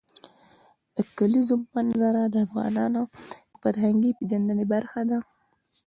د کلیزو منظره د افغانانو د فرهنګي پیژندنې برخه ده.